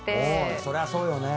そりゃそうよね。